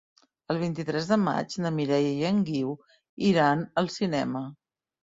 El vint-i-tres de maig na Mireia i en Guiu iran al cinema.